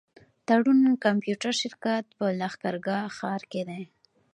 تړون کمپيوټر شرکت په لښکرګاه ښار کي دی.